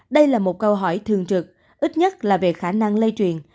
đây là một câu hỏi thường trực ít nhất là về khả năng lây truyền